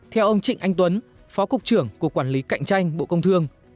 theo ông trịnh anh tuấn phó cục trưởng cục quản lý cạnh tranh bộ công thương